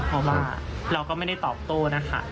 เพราะว่าเราก็ไม่ได้ตอบโต้นะคะ